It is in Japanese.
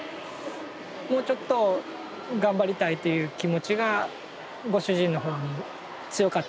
もうちょっと頑張りたいという気持ちがご主人の方にも強かったんだと思います。